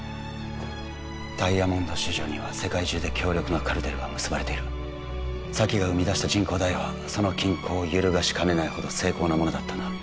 ダイヤモンド市場には世界中で強力なカルテルが結ばれている沙姫が生み出した人工ダイヤはその均衡を揺るがしかねないほど精巧なものだったんだ